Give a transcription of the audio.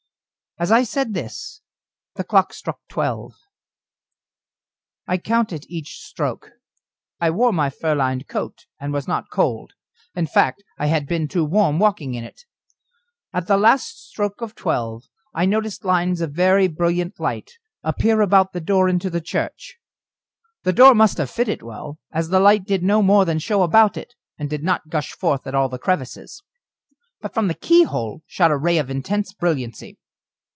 As I said this, the clock struck twelve. I counted each stroke. I wore my fur lined coat, and was not cold in fact, I had been too warm walking in it. At the last stroke of twelve I noticed lines of very brilliant light appear about the door into the church. The door must have fitted well, as the light did no more than show about it, and did not gush forth at all the crevices. But from the keyhole shot a ray of intense brilliancy.